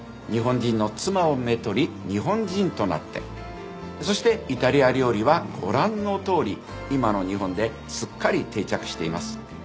日本人の妻をめとり日本人となってそしてイタリア料理はご覧のとおり今の日本ですっかり定着しています。